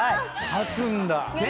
勝つんだ。